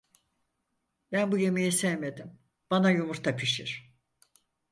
Ben bu yemeği sevmedim, bana yumurta pişir.